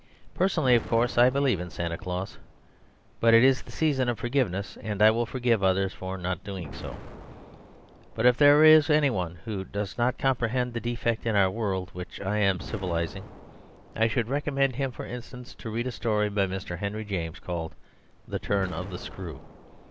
Personally, of course, I believe in Santa Claus; but it is the season of forgiveness, and I will forgive others for not doing so. But if there is anyone who does not comprehend the defect in our world which I am civilising, I should recommend him, for instance, to read a story by Mr. Henry James, called "The Turn of the Screw."